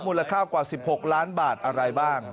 มูลค่ากว่า๑๖ล้านบาทอะไรบ้าง